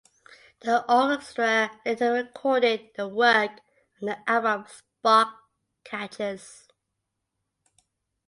The orchestra later recorded the work on their album "Spark Catchers".